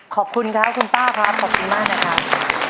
ขอบคุณครับคุณป้าครับขอบคุณมากนะครับ